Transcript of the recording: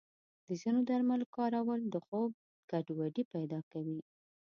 د ځینو درملو کارول د خوب ګډوډي پیدا کوي.